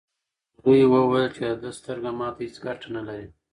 مرغۍ وویل چې د ده سترګه ماته هیڅ ګټه نه لري.